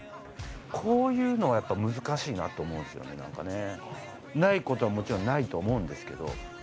こういうのはやっぱり難しいなと思うんですよねないことはないと思うんですけど。